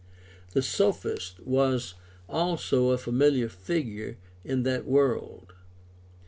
The sophist was also a familiar figure in that world.